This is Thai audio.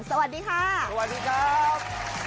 สวัสดีค่ะสวัสดีครับ